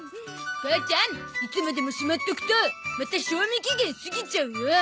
母ちゃんいつまでもしまっとくとまた賞味期限過ぎちゃうよ。